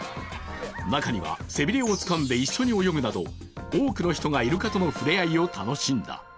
中には、背びれをつかんで一緒に泳ぐなど多くの人がイルカとの触れ合いを楽しんだ。